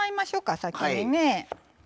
先にね。